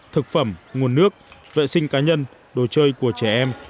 thực phẩm nguồn nước vệ sinh cá nhân đồ chơi của trẻ em